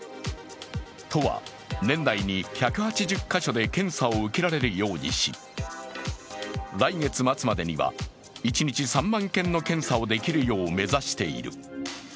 都は年内に１８０カ所で検査を受けられるようにし、来月末までには一日３万件の検査ができるよう目指している。